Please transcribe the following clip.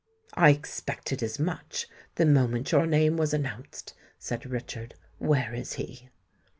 "I expected as much, the moment your name was announced," said Richard. "Where is he?"